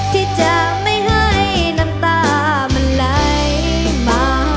ที่จะไม่ให้น้ำตามันไหลมา